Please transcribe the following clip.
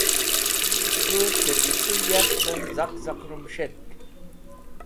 K̃hũ tẽrmisũ yakvẽn z̃aq z̃aq rũmũs̃htk.